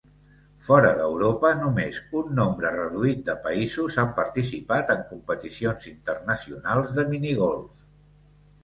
Fora d'Europa només un nombre reduït de països han participat en competicions internacionals de minigolf.